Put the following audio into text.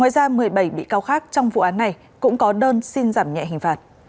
trong vụ án này cũng có đơn xin giảm nhẹ hình phạt